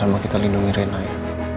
sama kita lindungi rena ya